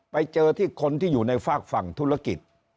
ไปเจอที่คนที่อยู่ในฝากฝั่งธุรกิจ